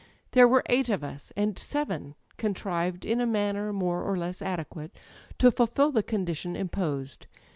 There were eight of us, and seven contrived, in a manner more or less adequate, to fulfil the condition imposed.